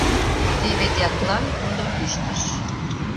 Теве дьяклан тудо кӱштыш: